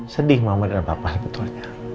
sedih mama dengan papa faturnya